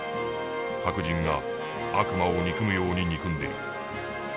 白人が悪魔を憎むように憎んでいる。